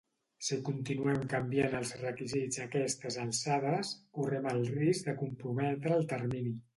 Si continuem canviant els requisits a aquestes alçades, correm el risc de comprometre el termini.